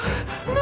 何？